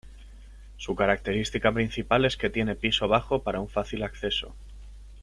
Su característica principal es que tiene piso bajo para un fácil acceso.